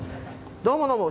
どうもどうも。